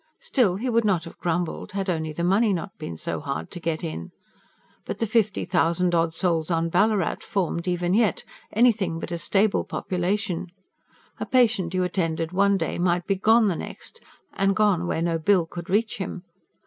Still, he would not have grumbled, had only the money not been so hard to get in. But the fifty thousand odd souls on Ballarat formed, even yet, anything but a stable population: a patient you attended one day might be gone the next, and gone where no bill could reach him.